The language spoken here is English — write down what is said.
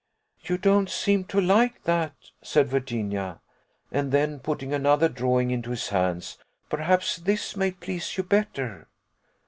"You don't seem to like that," said Virginia; and then putting another drawing into his hands, "perhaps this may please you better."